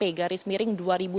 di garis miring dua ribu dua puluh